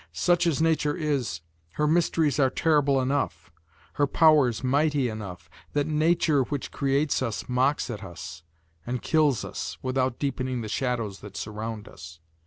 Such as nature is, her mysteries are terrible enough, her powers mighty enough, that nature which creates us, mocks at us, and kills us, without deepening the shadows that surround us.